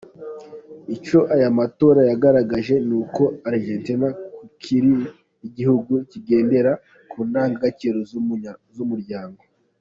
"Icyo aya matora yagaragaje, ni uko Argentina kikiri igihugu kigendera ku ndangagaciro z’umuryango.